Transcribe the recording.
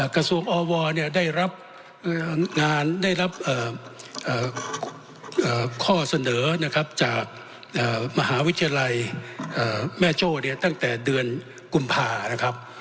กระทรวงอวได้รับงานได้รับข้อเสนอนะครับจากมหาวิทยาลัยแม่โจ้เนี่ยตั้งแต่เดือนกุมภานะครับ